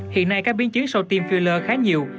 hiện nay các biến chứng sau tiêm filler khá nhiều